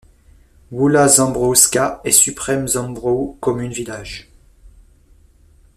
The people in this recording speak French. Wola Zambrowska est supreme Zambrów Commune village.